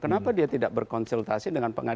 kenapa dia tidak berkonsultasi dengan pak wawaso